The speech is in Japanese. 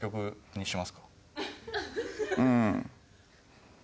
うん。